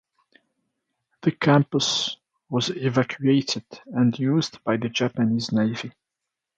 The campus was evacuated and used by the Japanese Navy.